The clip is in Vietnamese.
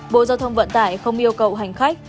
bộ giao thông vận tải không yêu cầu hành khách